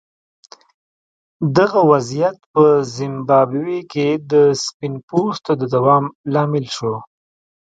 دغه وضعیت په زیمبابوې کې د سپین پوستو د دوام لامل شو.